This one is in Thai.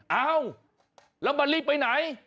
เอ้าแล้วมะลิไปไหน